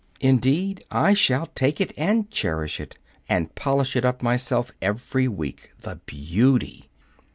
"Indeed I shall take it, and cherish it, and polish it up myself every week the beauty!"